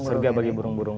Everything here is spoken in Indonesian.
iya surga bagi burung burung